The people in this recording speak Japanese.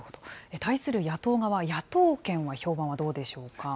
対する野党側、野党軒の評判はどうでしょうか。